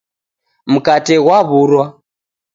Mkate ghwaw'urwa.